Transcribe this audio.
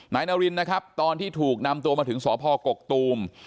นายนารินนะครับตอนที่ถูกนำตัวมาถึงสพกกตูม